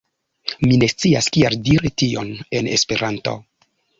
Mi ne scias kiel diri tion en Esperanto.